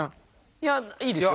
いやいいですよ。